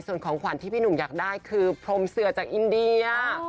ส่วนของขวัญที่พี่หนุ่มอยากได้คือพรมเสือจากอินเดีย